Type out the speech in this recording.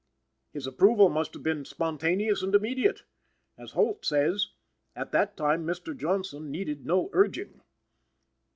His approval must have been spontaneous and immediate. As Holt says, "at that time Mr. Johnson needed no urging."